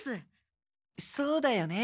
そうだよね。